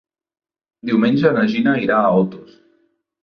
Diumenge na Gina irà a Otos.